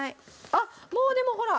あっもうでもほら！